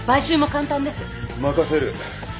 任せる